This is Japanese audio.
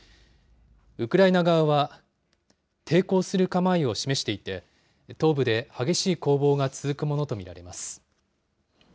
ウクライナ側は抵抗する構えを示していて、東部で激しい攻防が続くものと見られます。